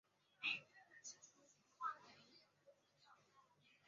它通常结合催产素作为子宫收缩剂。